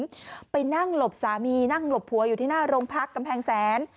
ไปนั่งหลบไปนั่งหลบสามีหลบผัวอยู่ที่หน้าร่มพักกำแพงแสน